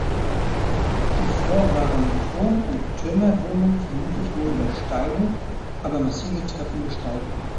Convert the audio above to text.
Zuvor waren Turm und Türmerwohnung vermutlich nur über steile, aber massive Treppen besteigbar.